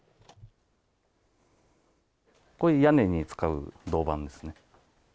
これ、屋根に使う銅板ですね。